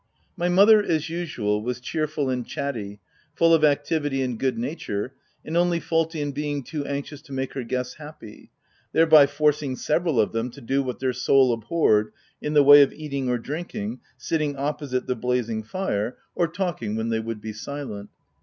My mother, as usual, was cheerful and chatty, full of activity and goodnature, and only faulty in being too anxious to make her guests happy, thereby forcing several of them to do what their soul abhorred, in the way of eating or drinking, sitting opposite the blazing fire, or talking when OF W1LDFELL HALL. 63 they would be silent.